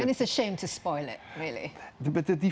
dan itu merasa merasa sedih untuk menggambarkan benar